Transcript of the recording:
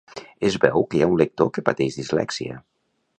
Es veu que hi ha un lector que pateix dislèxia